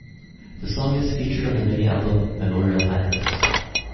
The song is featured on the mini-album "Memorial Address".